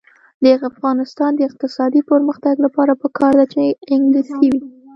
د افغانستان د اقتصادي پرمختګ لپاره پکار ده چې انګلیسي وي.